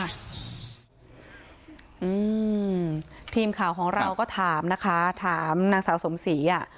อืมทีมข่าวของเราก็ถามนะคะถามนางสาวสมศรีอ่ะ